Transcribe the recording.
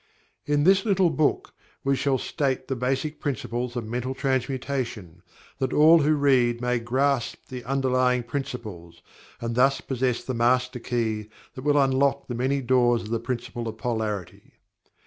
In this little book we shall state the basic principles of Mental Transmutation, that all who read may grasp the Underlying Principles, and thus possess the Master Key that will unlock the many doors of the Principle of Polarity.